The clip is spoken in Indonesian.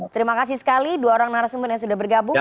terima kasih sekali dua orang narasumber yang sudah bergabung